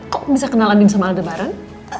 kok bisa kenal andin sama aldebaran